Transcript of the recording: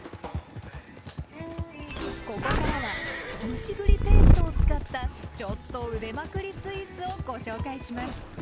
ここからは蒸し栗ペーストを使ったちょっと腕まくりスイーツをご紹介します。